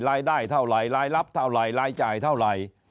รายได้เท่าไหร่รายรับเท่าไหร่รายจ่ายเท่าไหร่